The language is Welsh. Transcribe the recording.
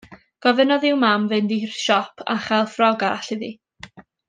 Gofynnodd i'w mam fynd i'r siop a chael ffrog arall iddi.